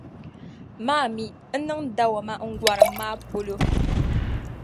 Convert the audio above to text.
Ma a mi, n niŋ dawɔma n gɔrim maa polo